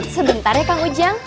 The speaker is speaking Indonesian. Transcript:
sebentar ya kang ujang